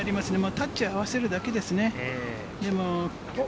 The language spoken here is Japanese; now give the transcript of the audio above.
タッチを合わせるだけですね。